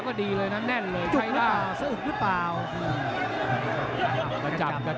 กระจับ